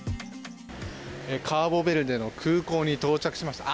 カーボベルデの空港に到着しました。